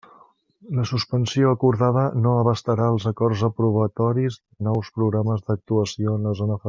La suspensió acordada no abastarà els acords aprovatoris de nous programes d'actuació en la zona afectada.